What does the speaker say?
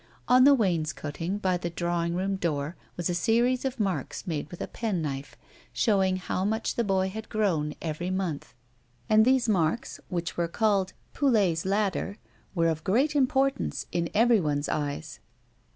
On the wainscotting, by the drawing room door, was a series of marks made with a penknife, showing how much the boy had grown every month. A WOMAN'S LIFE. 191 and these marks, which were called "Poulet's ladder," were of great importance in everyone's eyes.